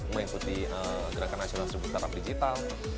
mengikuti gerakan nasional startup digital